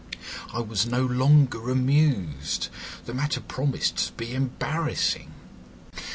I was no longer amused. The matter promised to be embarrassing.